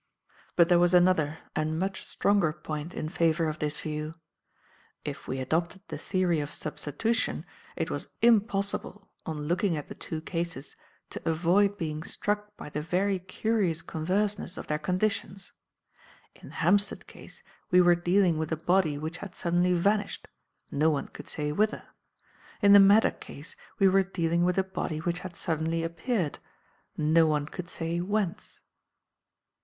But there was another and much stronger point in favour of this view. If we adopted the theory of substitution, it was impossible, on looking at the two cases, to avoid being struck by the very curious converseness of their conditions. In the Hampstead case we were dealing with a body which had suddenly vanished, no one could say whither; in the Maddock case we were dealing with a body which had suddenly appeared, no one could say whence.